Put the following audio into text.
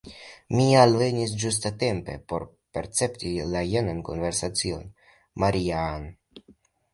Mi alvenis ĝustatempe por percepti la jenan konversacion: «Maria-Ann! »